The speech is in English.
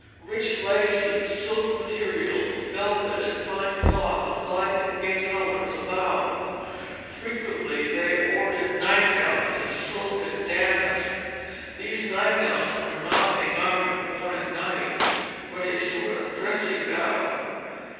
Rich laces, silk materials, velvet, and fine cloth of light and gay colors abound. Frequently they ordered nightgowns of silk and damask. These nightgowns were not a garment worn at night, but a sort of dressing gown.